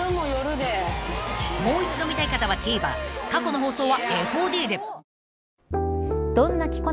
［もう一度見たい方はＴＶｅｒ過去の放送はＦＯＤで］